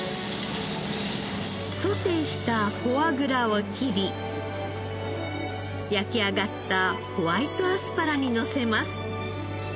ソテーしたフォアグラを切り焼き上がったホワイトアスパラにのせます。